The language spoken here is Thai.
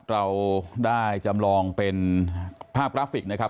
เราได้จำลองเป็นภาพกราฟิกนะครับ